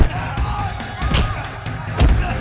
terima kasih pak